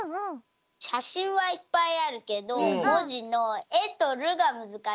しゃしんはいっぱいあるけどもじの「え」と「る」がむずかしいんだ。